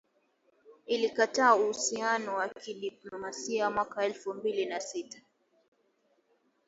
ilikata uhusiano wa kidiplomasia mwaka elfu mbili kumi na sita